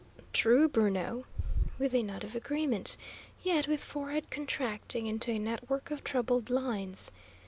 "True, Bruno," with a nod of agreement, yet with forehead contracting into a network of troubled lines.